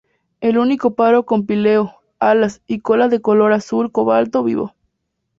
El único paro con píleo, alas y cola de color azul cobalto vivo.